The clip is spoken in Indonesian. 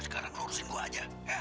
sekarang lurusin gue aja ya